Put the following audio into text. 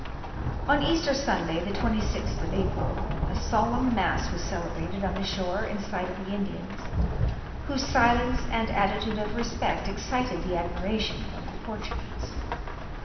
On Easter Sunday, the 26th of April, a solemn mass was celebrated on the shore in sight of the Indians, whose silence and attitude of respect excited the admiration of the Portuguese.